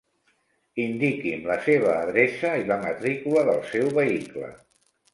Indiqui'm la seva adreça i la matrícula del seu vehicle.